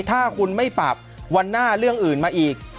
ถ้าคุณไม่ปรับวันหน้าเรื่องอื่นมาอีก